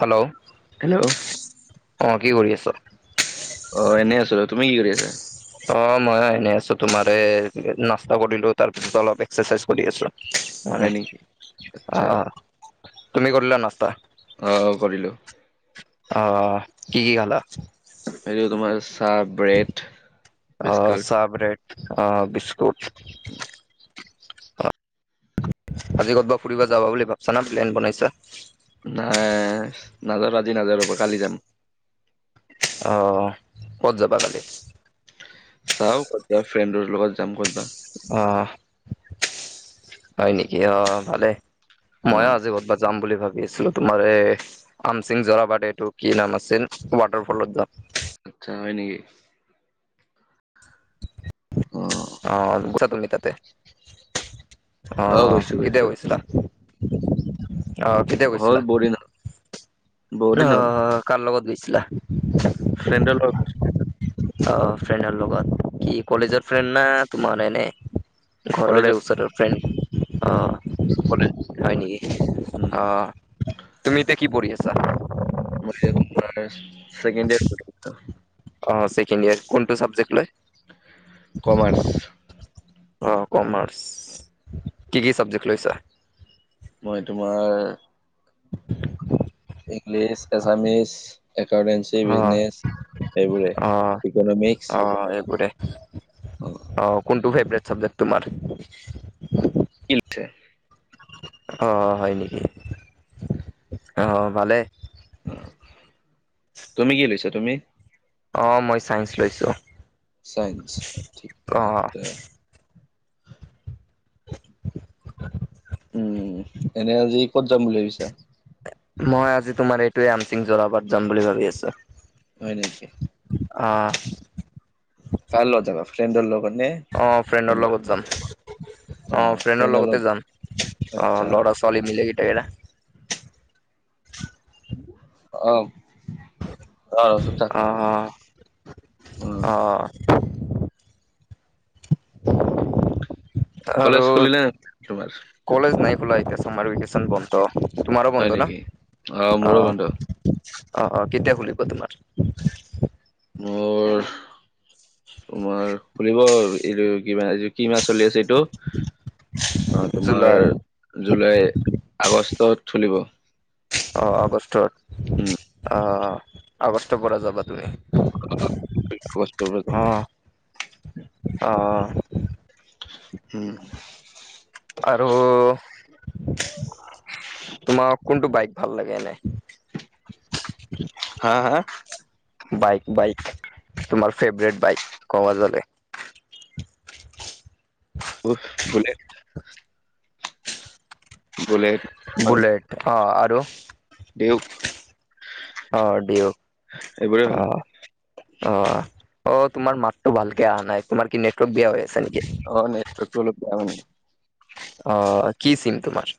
Hello hello অ কি কৰি আছ? অ এনেই আছো ৰ, তুমি কি কৰি আছা? অ', মইয়ো এনে আছো তোমাৰ এ নাস্তা কৰিলো, তাৰ পিছত অলপ এক্সাৰচাইজ কৰি আছো। মানে, হয় নেকি অ আচ্ছা অ তুমি কৰিলা নাস্তা? অ, অ কৰিলোঁ। অ, অ কি কি খালা? সেইটো তোমাৰ চাব অ চা, ব্ৰেড অ বিস্কুট অ আজি কতবা ফুৰিব যাবা বুলি ভাবছা না প্লেন বনাইছা নাই নাজৰো আজি নাজৰো ৰবা কালি যাম। অ ক'ত যাবা কালি? চাওঁ ক'ত যাওঁ, ফ্ৰেণ্ডৰ লগত যাম ক'তবা। অ হয় নেকি, অহ ভালে। অ ময়ো আজি কতবা যাম বুলি ভাবি আছিলো। তোমাৰ এ, আমচিং জৰাবাট এইটো কি নাম আচিল, ৱাটাৰ ফলত যাম। আচ্ছা হয় নেকি? অ' অ' গৈছা তুমি তাতে? অ', অ', গৈছো কেতিয়া গৈছো গৈছিলা? অ কেতিয়া হ'ল গৈছিলা? বহুত দিন বহুত দিন হ'ল ন কাৰ লগত গৈছিলা? ফ্ৰেণ্ডৰ লগত গৈছিলো অ' ফ্ৰেণ্ডৰ লগত, কি কলেজৰ ফ্ৰেণ্ড না তোমাৰ এনে? ঘৰৰে কলেজত ওচৰৰ ফ্ৰেণ্ড অ। কলেজ হয় নেকি? উম, অ' তুমি এতিয়া কি পঢ়ি আছা? মই এতিয়া তোমাৰ চেকেণ্ড ইয়েৰ পঢ়ি আছোঁ। অ', চেকেণ্ড ইয়েৰ, কোনটো ছাবজেক্ট লৈ? কমাৰ্চ। অ', কমাৰ্চ, কি কি চাবজেক্ট লৈছা? মই তোমাৰ ইংলিছ, আছামিছ, একাউটেঞ্চি অ', বিজনেচ, এইবোৰে ইকনমিক্স অ'এইবোৰে অ' অ' কোনটো ফেভৰেট চাবজেক্ট তোমাৰ? ইলথে অ' হয় নেকি? অ' ভালে। অ', তুমি কি লৈছা তুমি অ', মই চাইন্স লৈছোঁ। চাইন্স আচ্ছা অ', [unintelligible] উম', এনে আজি কত যাম বুলি ভাবিছা? মই আজি তোমাৰ এইটোয়ে, আমচিং জোৰাবাট যাম বুলি ভাবি আছো। হয় নেকি? আঁহ। কাৰ লগত যাবা, ফ্ৰেণ্ডৰ লগত নে? অঁ, ফ্ৰেণ্ডৰ কোনোবা লগত যাম। অ অঁ ফ্ৰেণ্ডৰ লগতে লগত যাম, অঁ, আচ্ছা ল'ৰা ছো ৱালী মিলি গোটেইকেইটা। অ', অ', চুপ থাক। আ আ আৰু কলেজ খুলিলে নে তোমাৰ কলেজ নাই খোলা এতিয়া ছামাৰ ভেকেচন বন্ধ তোমাৰো হয় বন্ধ ন? নেকি? মোৰো অ' অ' বন্ধ অ' অ', কেতিয়া খুলিব তোমাৰ? মোৰ তোমাৰ খুলিব এইটো কিবা এই কি মাহ চলি আছে এইটো? অঁ তোমাৰ জুলাই জুলাই আগষ্টত খুলিব। অ' আগষ্টত উম আ আগষ্টৰ পৰা যাবা তুমি? আগষ্টৰ পৰা যাম। অহ। উম। আৰু তোমাক কোনটো বাইক ভাল লাগে এনে? হা হা? বাইক বাইক তোমাৰ ফেভৰেট বাইক? উফ্ বুলেট। [inaudible] বুলেট। বুলেট। অঁ আৰু? ডিউক। অ' ডিউক, ভাল অ' লাগে অ'। অ' তোমাৰ মাতটো ভাল কে অহা নাই, তোমাৰ কি নেটৱৰ্ক বেয়া হৈ আছে নেকি? অ' নেৱৰ্কটো অলপ বেয়া মানে। অ', কি চিম তোমাৰ?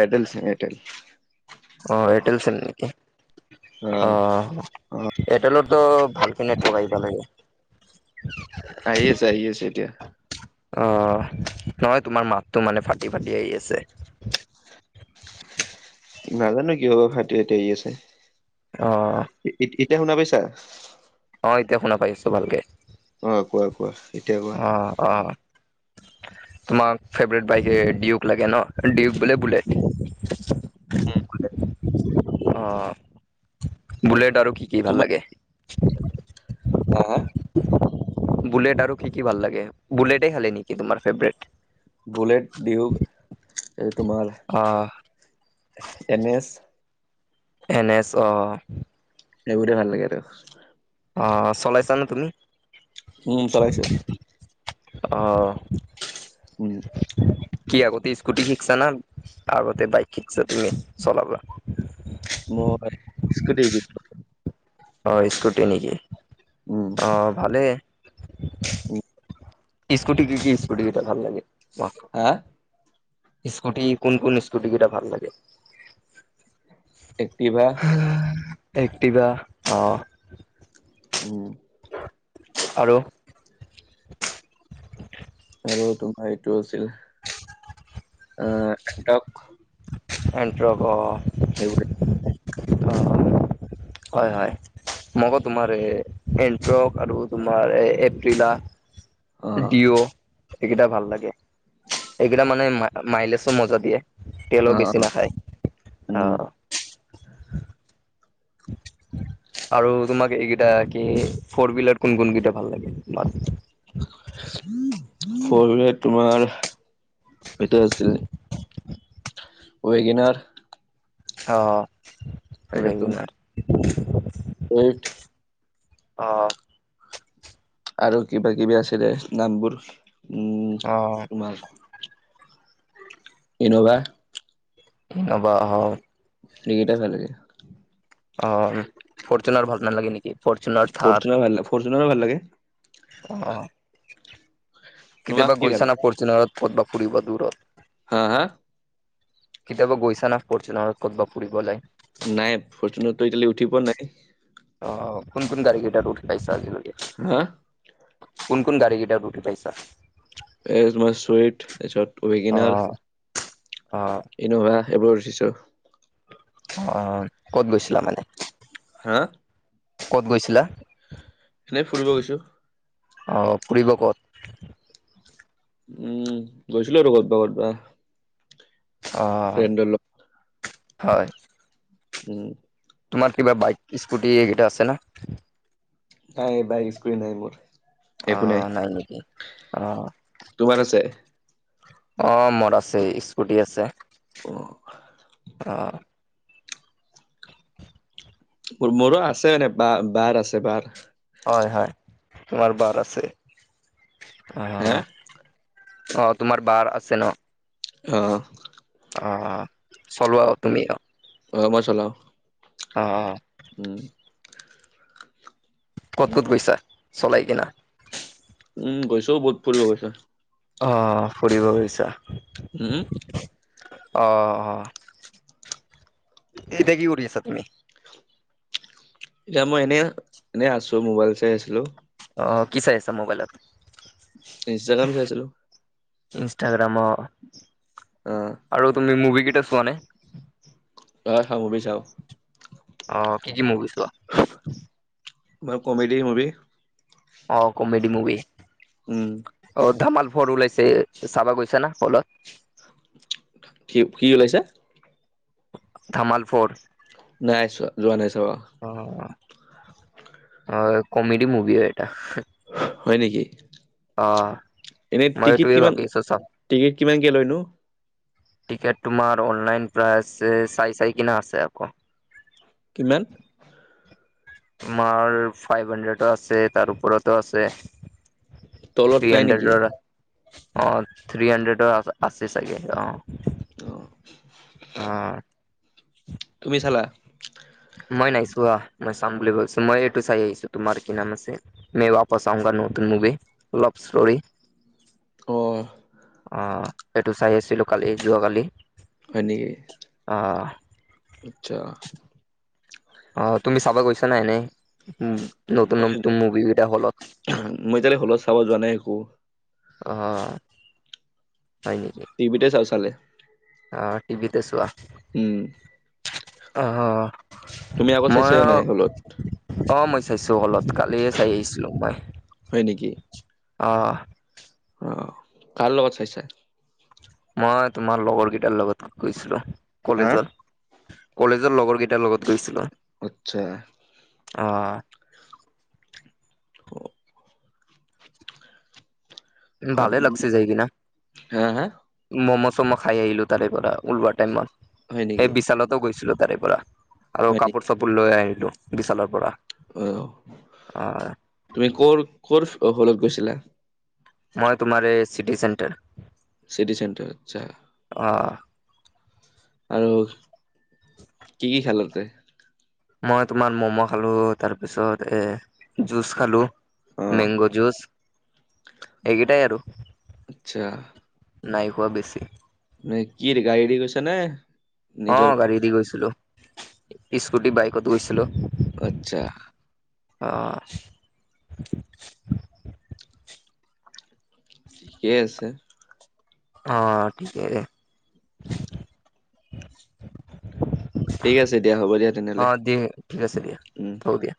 Airtel SIM Airtel. অ' এয়াৰটেল চিম নেকি অ' অ এয়াৰটেলৰতো ভালকে নেটৱৰ্ক আহিব লাগে। আহি আছে আহি আছে এতিয়া। অঁ নহয় তোমাৰ মাতটো মানে ফাটি ফাটি আহি আছে। নাজানো কি বা ফাটি ফাটি আহি আছে। অহ এতিয়া শুনা পাইছা? অঁ এতিয়া শুনা পাইছো ভালকে, অ কোৱা কোৱা এতিয়া কোৱা অঁ অঁ। তোমাক ফেভাৰেট বাইকে ডিউক লাগে ন ডিউক বোলে বুলেট? অঁ বুুলেট আৰু কি কি ভাল তোমাৰ লাগে? হা হা বুলেট আৰু কি কি ভাল লাগে, বুলটেই খালি নেকি তোমাৰ ফেভাৰেট? বুলেট, ডিউক তোমাৰ অ এন এছ। এন আছো অ'। এইবোৰৰে ভাল লাগে আৰু। অ' চলাইছা নে তুমি? উম, চলাইছো। আহ। উম। কি আগতে স্কুটি শিকিছা আগতে বাইক শিকছা তুমি চলাব। মই স্কুটি শিকিছিলো। আহ স্কুটি নেকি উম আহ ভালেই। উম। স্কুটি কি কি স্কুটি কিটা ভাল লাগে তোমাৰ? হা? স্কুটি কোন কোন স্কুটি কেইটা ভাল লাগে? এক্টিভা। এক্টিভা অঁ। উম। আৰু। আৰু তোমাৰ এইটো আছিল। [unintelligible] এণ্ট্ৰক' অ'। সেইবোৰেই। অ হয় হয়, মইোকৌ তোমাৰ এণ্ট্ৰক আৰু তোমাৰ [unintelligible] অ ডঅ' এইকেইটা ভাল লাগে, এইকেইটা মানে ম মাইলেছো মজা দিয়ে। তেলো অ বেছি অ নাখায় উম অঁ। [unintelligible] আৰু তোমাক এইকেইটা কি ফৰ হুইলাৰ কোন কোন কেইটা ভাল লাগে তোমাৰ? সৰুৰে তোমাৰ। সেইটো আছিল। অঁগনাৰ [unintelligible] ঠ। অঁ। আৰু কিবা কিবি আছিলে নামবোৰ উম অ' তোমাৰ। ইনোভা। অ'বা হয় [unintelligible] এইকেইটাই ভালা লাগে। অ' ফৰচুনাৰ ভাল নালালাগে নেকি? ফৰ্চুনাৰ থাৰ ফচুনা ভাল ফৰচুনা ভাল লাগে। অ' তোমাক কেতিয়াবা কি ভাল গৈছা না, লাগে ফৰচুনাৰত কৰবা ফুৰিব দূৰত। হা হা? কেতিয়াবা গৈছা না পঢোঁহ ক'ৰবাত ফুৰিবলৈাই [unintelligible] নাই ফৰচুনতো এতিয়ালৈ উঠি পোৱা নাই। অ কোন কোন কাৰা়গেইটত উঠিল পাইছছে আজি লে [unintelligible] হা। কোন কোন গাড় গিটাত উঠে পাইছা? এই তোমাৰ তাৰিছত [unintelligible] অ অ। ইন'ভা এইবোৰ ৰচিছো। অ ক'ত গৈছিলা মানে? হা। ক'ত গৈছিলা? এনেই ফুৰিব গৈছোঁ। অঁ ফুৰিব ক'ত উম গৈছিলো আৰু কতবা কতবা। অ ফ্ৰেণ্ডৰ লগত হয়। [inaudible] তোমাৰ কিবা বাইক স্কুটি এইকেইটা আছে নে? নাই বাই স্কুটি নাই মোৰ। অ নাই নেকি অ। তোমাৰ আছে? আহ্ মোৰ আছে স্কুটি আছে আহ্। মোৰো আছে এনেকুৱা বাৰ আছে বাৰ। হয় হয় তোমাৰ বাৰ আছে হয় হে হয়। অ তোমাৰ বাৰ আছে ন আহ্। অ চলোৱা তুমি আৰু। অ মই চলাওঁ। অ। উম। ক'ত ক'ত গৈছা চলাই কিনা? উম গৈছোও বহুত ফুৰিব গৈছোঁ। অ ফুৰিব গৈছা। উম। অ এতিয়া কি কৰি আছা তুমি? এতিয়া মই এনেই এনে আছো মোবাইল চাই আছিলো। অ কি চাই আছা‌ মোবাইলত? ইনষ্টাগ্ৰাম চাই আছিলোঁ। ইনষ্টাগ্ৰামা অ‌। অঁ। আৰু তুমি মুভি কেতিয়াও চোৱা নাই? অঁ মই মুভি চাওঁ। অ কি কি মুভি ছোৱা? মই কমেডি মুভি। অ কমেডি মুভি। উম। অ ধামাল ফৰ ওলাইছে চাবা গৈছো না হলত? কি কি ওলাইছে? ধামাল ফৰ। নাই চোৱা যোৱা নাই চাব। অ হয় কমেডি মুভি হয় এটা। হয় নেকি। অ'। এনে মই টিকিট এইটোৱে কিমান ভাবি আছো চাম টিকিট কিমান কে লৈনো? টিকেট তোমাৰ অনলাইন প্ৰাইজ যে চাই চাই কিনা আছে আকৌ কিমান আমাৰ ফ্ৰাইভ হাড্ৰে আছে তাৰ ওপৰতো আছে তলত থ্ৰী নাই নেকি? হাড্ৰৰতৰ অহ থ্ৰী হাড্ৰে আছে চাগে অহ অ অহ তুমি চালা মই নাই চোৱা মই চাম বুলি ভাবিছো মই এইটো চাই আহিছো তোমাৰ কি নাম আছে মে বাপাছ আওগা নতুন মুভি অভ ইষ্টতৰি উ [unintelligible] অহ অহ এইটো চাই আছিলোঁ কালি যোৱাকালি হয় নেকি অহ আচ্ছা অহ তুমি চাবা গৈছা নাই এনে উম নতুন মই নতুন মুভি বিলাক হলত মই এতিয়া হলত চাব যোৱা নাই একো অহ হয় নেকি টি ভিতে চাওঁ চালে অহ টি ভিতে চোৱা উম অহ তুমি আগত চাইছা নে মইয়ো নাই হলত অহ মই চাইছো হলত কালি চাই আহিছিলোঁ মই হয় অহ অহ কাৰ লগত চাইছা মই তোমাৰ লগৰ কেইটাৰ লগত গৈছিলোঁ হা? কলেজত কলেজৰ লগৰ কেইটাৰ লগত গৈছিলোঁ আচ্ছা অঁহ অ ভালে লাগছে যায় কি নে হা হা ম'ম' চম' খাই আহিলো তাৰে পৰা ওলোৱা হয় টাইমত নেকি এই বিশালতো গৈছিলোঁ তাৰে পৰা আৰু হয় নেকি কাপোৰ চাপোৰ লৈ আহিলো বিশালৰ পৰা আহ অ তুমি কৰ কৰ হলত গৈছিলা মই তোমাৰ এই চিটি চেণ্টাৰ চিটি চেণ্টাৰ আচ্ছা অ আৰু কি কি খালি তই মই তোমাৰ ম'ম' খালো তাৰ পিছত এ জুচ খালোঁ অ মেংগো জুচ এইকেইটাই আৰু আচ্ছা নাই খোৱা বেছি নে কি গাড়ীৰ দি গৈছা নে অহ নিজৰ গাড়ী দি গৈছিলোঁ স্কুটি বাইকত গৈছিলোঁ আচ্ছা অহ ঠিকেই আছে অহ ঠিকেই ঠিক আছে দিয়া হ'ব দিয়া তেনেহ'লে অহ দি ঠিক আছে দিয়া উম থওঁ দিয়া